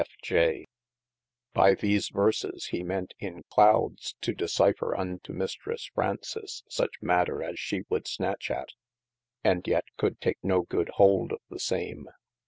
BY these verses he ment in clowdes to discipher unto Mistresse Fraunces such matter as she wold snatch at, and yet could take no good hold of the same.